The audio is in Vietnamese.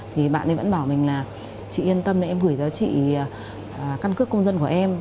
thì bạn ấy vẫn bảo mình là chị yên tâm em gửi cho chị căn cước công dân của em